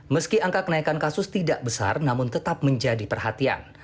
meski angka kenaikan kasus tidak besar namun tetap menjadi perhatian